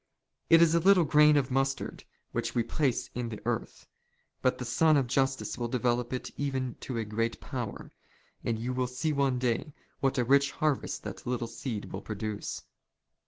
It is a little grain of mustard which we place in the " earth, but the sun of justice will develop it even to be a great " power ; and you will see one day what a rich harvest that " little seed will produce.